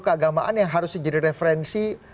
keagamaan yang harus menjadi referensi